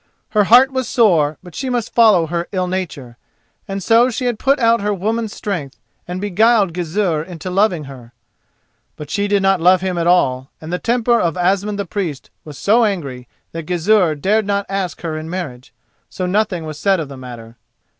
Her heart was sore, but she must follow her ill nature, and so she had put out her woman's strength and beguiled Gizur into loving her. But she did not love him at all, and the temper of Asmund the Priest was so angry that Gizur dared not ask her in marriage. So nothing was said of the matter.